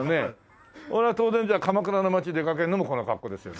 当然じゃあ鎌倉の街出かけるのもこの格好ですよね？